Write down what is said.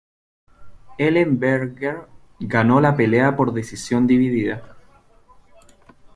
Ellenberger ganó la pelea por decisión dividida.